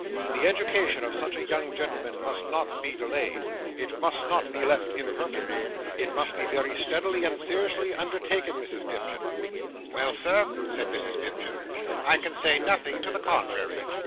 The education of such a young gentleman must not be delayed. It must not be left imperfect. It must be very steadily and seriously undertaken, Mrs Pipchin." "Well, Sir," said Mrs Pipchin, "I can say nothing to the contrary."